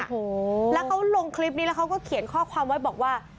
โอ้โหแล้วเขาลงคลิปนี้แล้วเขาก็เขียนข้อความไว้บอกว่า